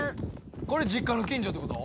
これ実家の近所ってこと？